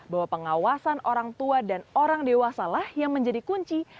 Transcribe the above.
bahwa pengawasan orang tua dan orang dewasalah yang menjadi kunci